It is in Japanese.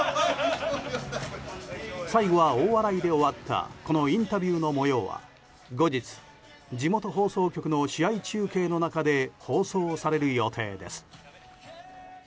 最後は大笑いで終わったこのインタビューのもようは後日、地元放送局の試合中継の中で放送される予定です。